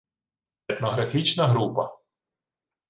етнографічна група